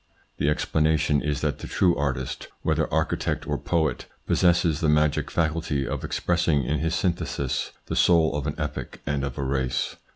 The explanation is that the true artist, whether architect or poet, possesses the magic faculty of expressing in his syntheses the soul of an epoch and of a race.